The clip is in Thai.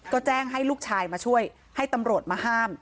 ก็แจ้งให้ลูกชายมาช่วยให้ตำรวจมาห้าม